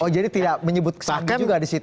oh jadi tidak menyebut kesannya juga di situ